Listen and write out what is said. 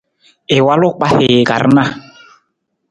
I walu kpahii ka rana.